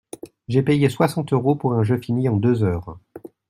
J'ai payé soixante euros pour un jeu fini en deux heures.